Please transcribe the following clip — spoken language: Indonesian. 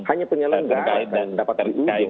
terkait yang lima ratus enam puluh miliar tadi